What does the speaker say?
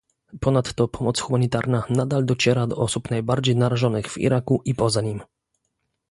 Ponadto pomoc humanitarna nadal dociera do osób najbardziej narażonych w Iraku i poza nim